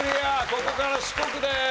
ここから四国です。